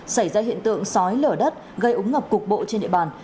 xảy ra hiện tượng sói lở đất gây ống ngập cục bộ trên địa bàn